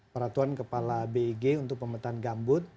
peratuan kepala beg untuk pemetaan gambut